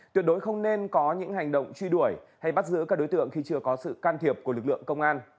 tuyệt đối không nên có những hành động truy đuổi hay bắt giữ các đối tượng khi chưa có sự can thiệp của lực lượng công an